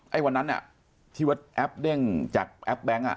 ไฮวันนั้นแอปเด้งจากแอปแบงค์